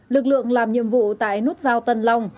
lực lượng làm nhiệm vụ tại nút giao tân long